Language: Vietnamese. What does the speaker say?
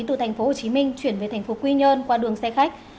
từ tp hcm chuyển về tp quy nhơn qua đường xe khách